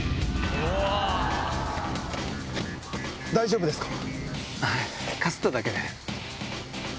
大丈夫ですか？